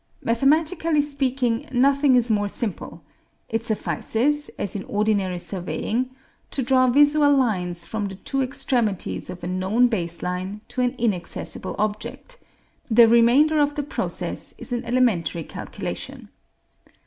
Mathematically speaking, nothing is more simple: it suffices, as in ordinary surveying, to draw visual lines from the two extremities of a known base line to an inaccessible object; the remainder of the process is an elementary calculation.